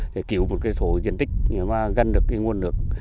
để cứu một số diện tích mà gần được cái nguồn lực